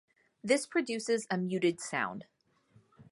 This produces a muted sound.